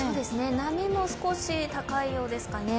波も少し高いようですかね。